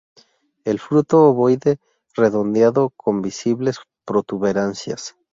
El fruto ovoide-redondeado, con visibles protuberancias.